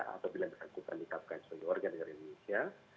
apabila bersangkutan di kbri manila